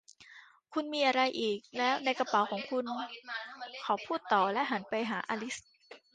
'คุณมีอะไรอีกแล้วในกระเป๋าของคุณ ?' เขาพูดต่อและหันไปหาอลิซ